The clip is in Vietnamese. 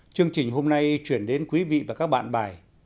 chương trình hôm nay chuyển đến quý vị và các bạn bài